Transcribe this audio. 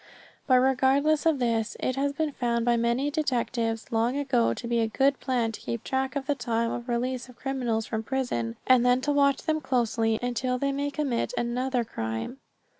But regardless of this, it has been found by detectives long ago to be a good plan to keep track of the time of release of criminals from prison, and then to watch them closely until they may commit another crime.